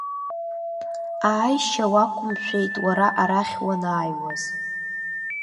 Ааишьа уақәымшәеит уара арахь уанааиуаз!